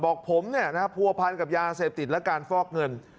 บอกผมเนี่ยนะผัวพันกับยาเสพติดและการฟอกเงิน